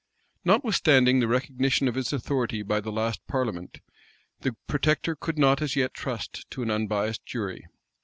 Notwithstanding the recognition of his authority by the last parliament, the protector could not as yet trust to an unbiased jury.